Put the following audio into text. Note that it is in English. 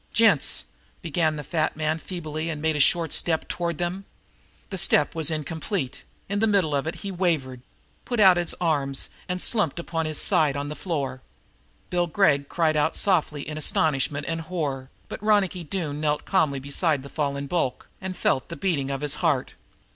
"Gents," began the fat man feebly and made a short step toward them. The step was uncompleted. In the middle of it he wavered, put out his arms and slumped upon his side on the floor. Bill Gregg cried out softly in astonishment and horror, but Ronicky Doone knelt calmly beside the fallen bulk and felt the beating of his heart.